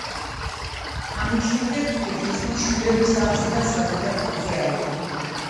ამის შემდეგ ფრიდრიხმა შვილების აღზრდა საკუთარ თავზე აიღო.